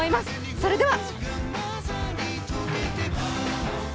それでは。